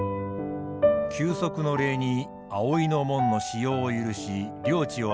休息の礼に葵の紋の使用を許し領地を与えたと伝わります。